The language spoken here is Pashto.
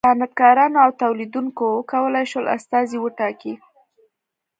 صنعتکارانو او تولیدوونکو و کولای شول استازي وټاکي.